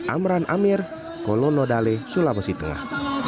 amran amir kolono dale sulawesi tengah